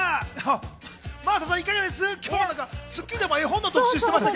真麻さん、いかがでしたか？